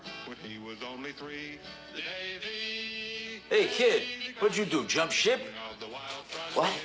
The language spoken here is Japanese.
えっ？